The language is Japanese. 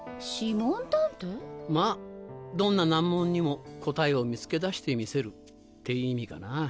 まぁどんな難問にも答えを見つけ出してみせるって意味かな。